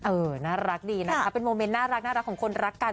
เออน่ารักดีนะคะเป็นโมเมนต์น่ารักของคนรักกัน